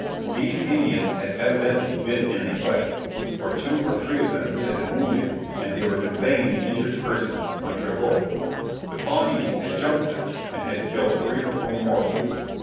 These Indians had evidently been in a fight, for two or three of them had been wounded and they were conveying the injured persons on travois. The Pawnees had "jumped" them and had killed three or four more of them.